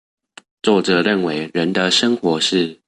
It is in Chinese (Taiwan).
作者認為人的生活是